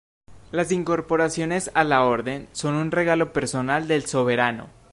Las incorporaciones a la Orden son un regalo personal del soberano.